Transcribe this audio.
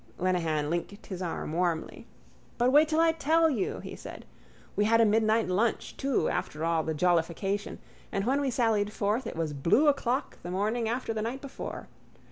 Lenehan linked his arm warmly. —But wait till I tell you, he said. We had a midnight lunch too after all the jollification and when we sallied forth it was blue o'clock the morning after the night before.